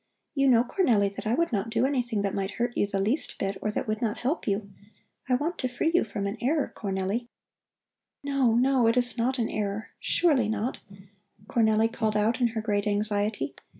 You know, Cornelli, that I would not do anything that might hurt you the least bit, or that would not help you. I want to free you from an error, Cornelli." "No, no, it is not an error, surely not," Cornelli called out in her great anxiety.